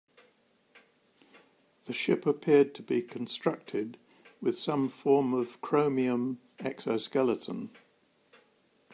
The ship appeared to be constructed with some form of chromium exoskeleton.